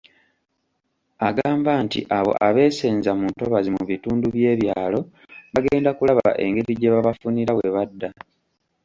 Agamba nti abo abeesenza mu ntobazi mu bitundu by'ebyalo bagenda kulaba engeri gye babafunira we badda.